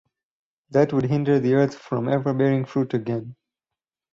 That would hinder the earth from ever bearing fruit again.